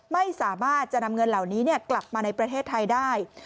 ไม่สามารถจะนำเงินเหล่านี้กลับมาในประเทศไทยได้